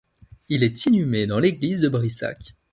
Il est inhumé dans l’église de Brissac.